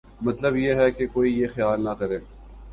مطلب یہ ہے کہ کوئی یہ خیال نہ کرے